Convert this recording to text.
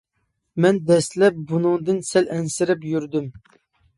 مەن دەسلەپ بۇنىڭدىن سەل ئەنسىرەپ يۈردۈم.